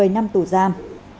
một mươi năm tù giam